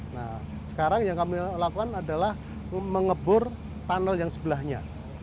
nah sekarang yang kami lakukan adalah mengebur tunnel yang sebelahnya